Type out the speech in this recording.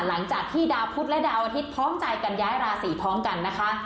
หลังจากที่ดาวพุทธและดาวอาทิตย์พร้อมใจกันย้ายราศีพร้อมกันนะคะ